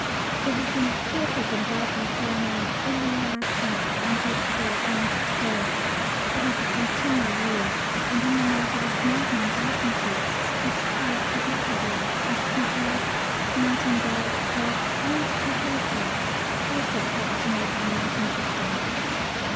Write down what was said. There has been a fearful bombardment going on all last night and yesterday and to day; it is a continual roar, and in the night is maddening to listen to; you can't forget the war. Mosquitoes, nightingales, frogs, and two horses also helped to make the night interesting.